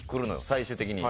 最終的に。